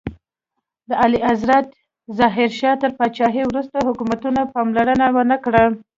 د اعلیحضرت ظاهر شاه تر پاچاهۍ وروسته حکومتونو پاملرنه ونکړه.